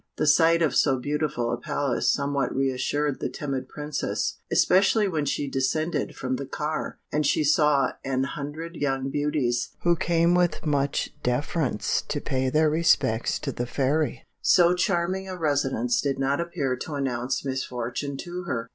The sight of so beautiful a palace somewhat re assured the timid Princess, especially when she descended from the car, and she saw an hundred young beauties, who came with much deference to pay their respects to the Fairy. So charming a residence did not appear to announce misfortune to her.